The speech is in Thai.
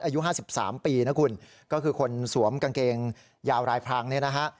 อายุ๕๓ปีนะคุณก็คือคนสวมกางเกงยาวรายพรางเนี่ยนะฮะ